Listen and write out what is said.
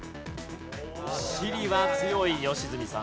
地理は強い良純さん。